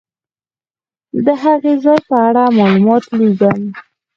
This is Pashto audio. د هغه ځای په اړه معلومات لیکم.